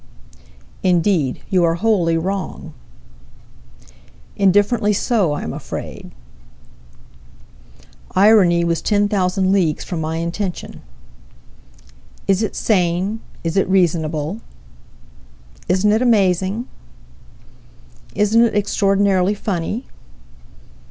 Indeed, you are wholly wrong Indifferently so, I am afraid Irony was ten thousand leagues from my intention Is it sane is it reasonable? Isn't it amazing? Isn't it extraordinarily funny?